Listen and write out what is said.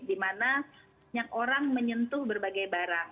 di mana banyak orang menyentuh berbagai barang